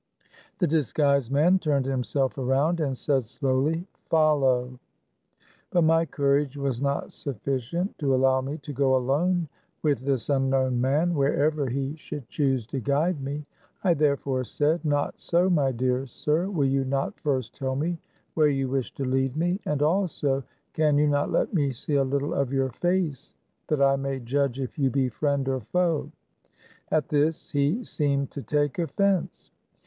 The disguised man turned himself around and said slowly, " Follow !" But my courage was not sufficient to allow me to go alone with this unknown man wherever he should choose to guide me. I therefore said; " Not so, my dear sir ; will you not first tell me where you wish to lead me, and also, can you not let me see a little of your face, that I may judge if you be friend or foe ?" At this he seemed to take offense.